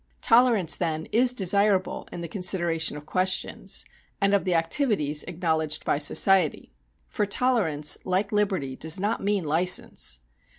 Tolerance, then, is desirable in the consideration of questions, and of the activities acknowledged by society; for tolerance, like liberty, does not mean license.